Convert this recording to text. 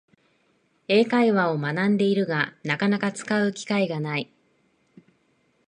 英会話を学んでいるが、なかなか使う機会がない